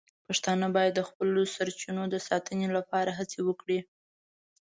پښتانه باید د خپلو سرچینو د ساتنې لپاره هڅې وکړي.